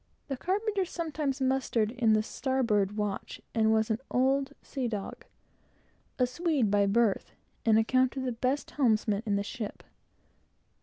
The carpenter sometimes mustered in the starboard watch, and was an old sea dog, a Swede by birth, and accounted the best helmsman in the ship.